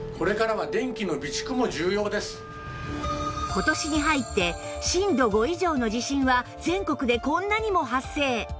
今年に入って震度５以上の地震は全国でこんなにも発生